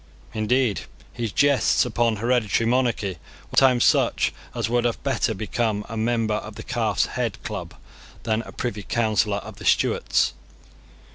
Indeed, his jests upon hereditary monarchy were sometimes such as would have better become a member of the Calf's Head Club than a Privy Councillor of the Stuarts.